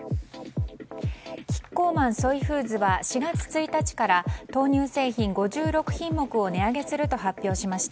キッコーマンソイフーズは４月１日から豆乳製品５６品目を値上げすると発表しました。